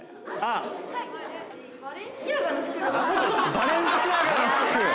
バレンシアガの服？